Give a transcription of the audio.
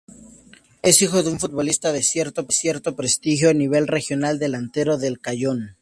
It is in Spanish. Es hijo de un futbolista de cierto prestigio a nivel regional, delantero del Cayón.